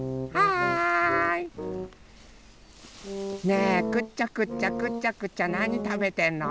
ねえくちゃくちゃくちゃくちゃなにたべてんの？